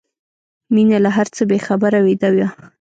مينه له هر څه بې خبره ویده وه